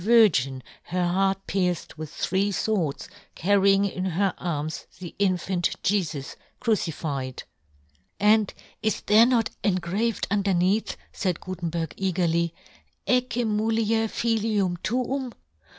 Virgin, her heart pierced with " three fwords, carrying in her arms " the infant Jefus, crucified." " And " is there not engraved underneath," faid Gutenberg, eagerly, " Fjcce mulier ^^Jilium tuum ?